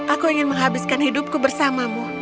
aku ingin menghabiskan hidupku bersamamu